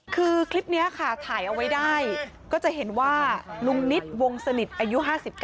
คือคลิปนี้ค่ะถ่ายเอาไว้ได้ก็จะเห็นว่าลุงนิดวงสนิทอายุ๕๙